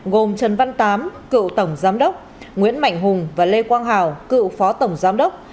gồm trần văn tám cựu tổng giám đốc nguyễn mạnh hùng và lê quang hào cựu phó tổng giám đốc